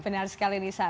benar sekali nisa